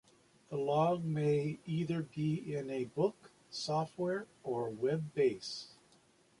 The log may either be in a book, software, or web based.